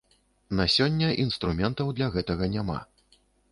На сёння інструментаў для гэтага няма.